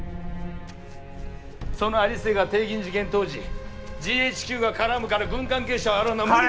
その有末が帝銀事件当時ＧＨＱが絡むから軍関係者を洗うのは無理だと。